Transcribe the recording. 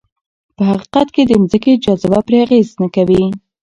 په حقیقت کې د ځمکې جاذبه پرې اغېز نه کوي.